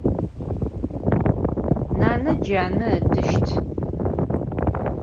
Nane cane ıdışt.